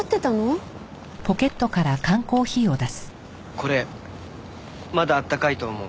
これまだあったかいと思う。